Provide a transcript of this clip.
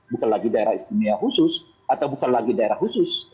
bukan lagi daerah istimewa khusus atau bukan lagi daerah khusus